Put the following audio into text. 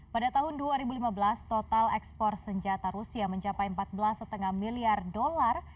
pada tahun dua ribu lima belas total ekspor senjata rusia mencapai empat belas lima miliar dolar